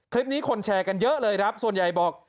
คนแชร์กันเยอะเลยครับส่วนใหญ่บอก